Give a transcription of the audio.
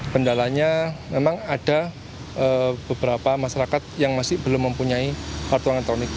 kendalanya memang ada beberapa masyarakat yang masih belum mempunyai kartu elektronik